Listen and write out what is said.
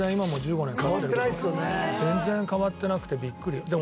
全然変わってなくてビックリ。